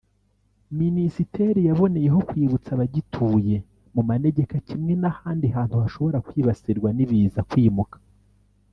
Minisiteri yaboneyeho kwibutsa abagituye mu manegeka kimwe n’ahandi hantu hashobora kwibasirwa n’ibiza kwimuka